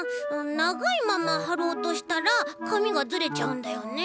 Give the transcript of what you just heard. ながいままはろうとしたらかみがズレちゃうんだよね。